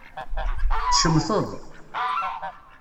Tcemteḍ